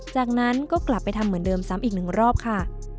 จากนั้นก็กลับไปทำเหมือนเดิมซ้ำอีกหนึ่งรอบค่ะ